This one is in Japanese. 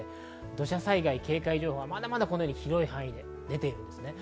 土砂災害警戒情報はまだまだ広い範囲で出ています。